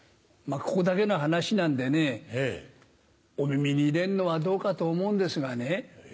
ここだけの話なんでねお耳に入れるのはどうかと思うんですがね